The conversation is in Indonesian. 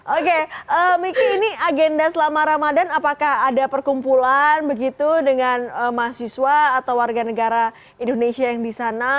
oke miki ini agenda selama ramadan apakah ada perkumpulan begitu dengan mahasiswa atau warga negara indonesia yang di sana